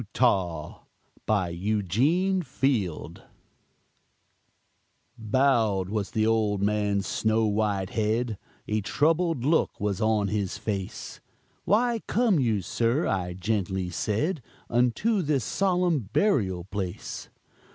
UTAH BY EUGENE FIELD Bowed was the old man's snow white head, A troubled look was on his face, "Why come you, sir," I gently said, "Unto this solemn burial place?"